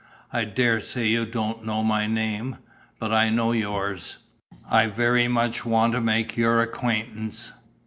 I dare say you don't know my name, but I know yours. I very much want to make your acquaintance.